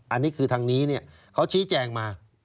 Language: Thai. อันนี้คือทางนี้เขาชี้แจงมา